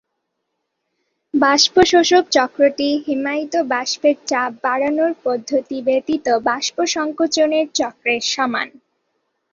বাষ্প-শোষক চক্রটি হিমায়িত বাষ্পের চাপ বাড়ানোর পদ্ধতি ব্যতীত বাষ্প-সংকোচনের চক্রের সমান।